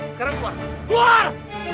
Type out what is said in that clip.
sekarang keluar keluar